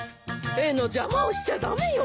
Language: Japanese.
絵の邪魔をしちゃ駄目よ。